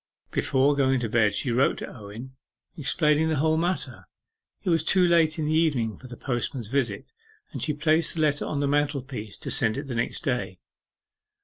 Before going to bed she wrote to Owen explaining the whole matter. It was too late in the evening for the postman's visit, and she placed the letter on the mantelpiece to send it the next day.